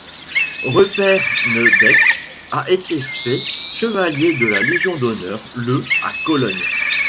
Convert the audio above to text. Rupert Neudeck a été fait chevalier de Légion d'honneur le à Cologne.